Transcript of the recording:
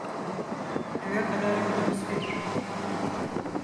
Köye kadar yolumuz bir…